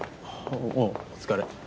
おおうお疲れ。